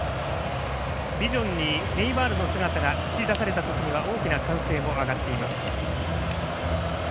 ビジョンにネイマールの姿が映し出された時には大きな歓声も上がっています。